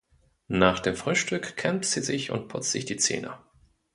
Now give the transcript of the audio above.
Nach dem Frühstück kämmt sie sich und putzt sich die Zähne.